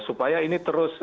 supaya ini terus